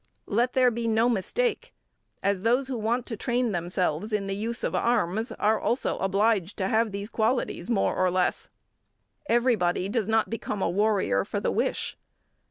Let there be no mistake as those who want to train themselves in the use of arms are also obliged to have these qualities more or less. Everybody does not become a warrior for the wish.